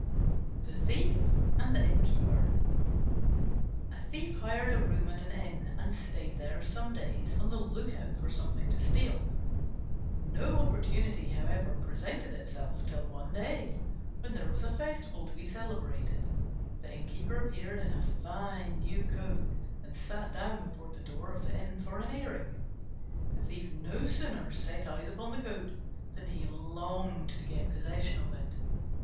THE THIEF AND THE INNKEEPER A Thief hired a room at an inn, and stayed there some days on the look out for something to steal. No opportunity, however, presented itself, till one day, when there was a festival to be celebrated, the Innkeeper appeared in a fine new coat and sat down before the door of the inn for an airing. The Thief no sooner set eyes upon the coat than he longed to get possession of it.